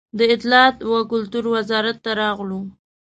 د اطلاعات و کلتور وزارت ته راغلو.